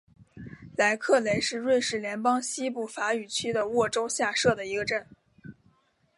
莱克雷是瑞士联邦西部法语区的沃州下设的一个镇。